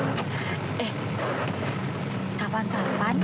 pasti selalu bawel kalau di mas bandel